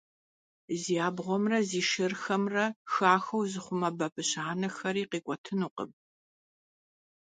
Зи абгъуэмрэ зи шырхэмрэ «хахуэу» зыхъумэ бабыщ анэхэри къикӀуэтынутэкъым.